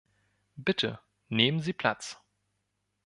Bitte, nehmen Sie Platz.